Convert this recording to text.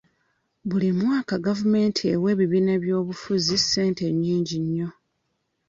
Buli mwaka gavumenti ewa ebibiina by'ebyobufuzi ssente nnyingi nnyo.